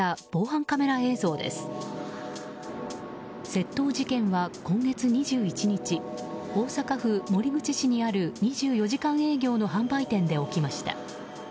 窃盗事件は、今月２１日大阪府守口市にある２４時間営業の販売店で起きました。